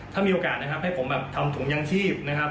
ถ้ามีโอกาสนะครับให้ผมแบบทำถุงยางชีพนะครับ